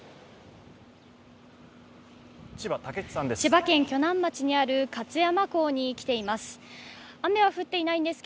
千葉県鋸南町にある勝山港に着ています。